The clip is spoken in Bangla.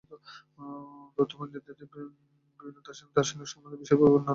তথ্যপঞ্জীতে বিভিন্ন দর্শন ও দার্শনিক সম্বন্ধে বিশেষভাবে এবং অন্যান্য প্রয়োজনীয় টীকা সংক্ষিপ্তভাবে দেওয়া হইল।